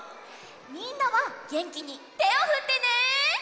みんなはげんきにてをふってね。